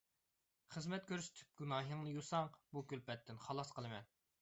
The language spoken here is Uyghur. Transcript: خىزمەت كۆرسىتىپ گۇناھىڭنى يۇساڭ، بۇ كۈلپەتتىن خالاس قىلىمەن.